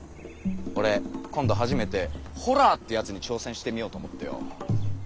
俺今度初めて「ホラー」ってやつに挑戦してみようと思ってよ。